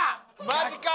マジか！